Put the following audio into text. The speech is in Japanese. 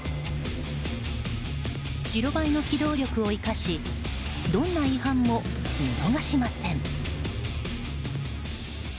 白バイの機動力を生かしどんな違反も見逃しません。